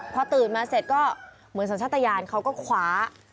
พอตื่นมาเสร็จก็เหมือนสัญชาติยานเขาก็คว้า